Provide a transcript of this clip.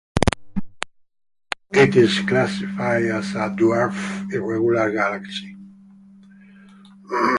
It is classified as a dwarf irregular galaxy.